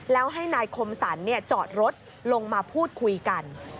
แล้วให้นายคมสรรจอดรถลงมาพูดคุยกัน